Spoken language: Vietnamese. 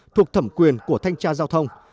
thuộc thẩm quyền của thanh tra giao thông